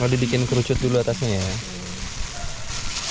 kalau di bikin kerucut dulu atasnya ya